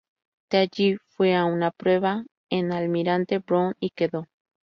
De allí fue a una prueba en Almirante Brown y quedó.